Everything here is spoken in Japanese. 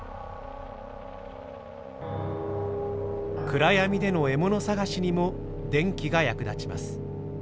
暗闇での獲物探しにも電気が役立ちます。